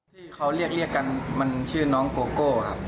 ที่เขาเรียกกันมันชื่อน้องโกโก้ครับ